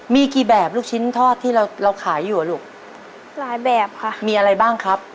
มีกี่แบบลูกชิ้นทอดที่เราเราขายอยู่อ่ะลูกหลายแบบค่ะมีอะไรบ้างครับ